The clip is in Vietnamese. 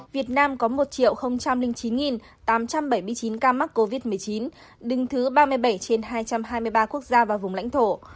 việt nam có một chín tám trăm bảy mươi chín ca mắc covid một mươi chín đứng thứ ba mươi bảy trên hai trăm hai mươi ba quốc gia và vùng lãnh thổ